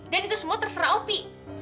dan itu semua terserah opi